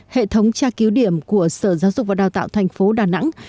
hệ thống tra cứu điểm của sở giáo dục và đào tạo tp đà nẵng